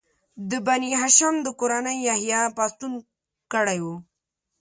د بني هاشم د کورنۍ یحیی پاڅون کړی و.